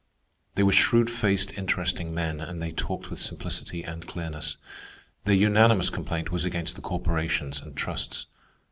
They were shrewd faced, interesting men, and they talked with simplicity and clearness. Their unanimous complaint was against the corporations and trusts.